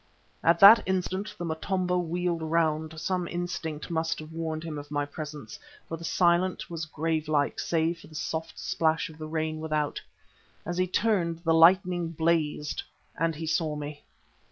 At that instant the Motombo wheeled round. Some instinct must have warned him of my presence, for the silence was gravelike save for the soft splash of the rain without. As he turned the lightning blazed and he saw me.